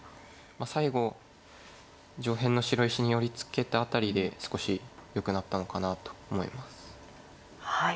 最後上辺の白石に寄り付けたあたりで少しよくなったのかなと思います。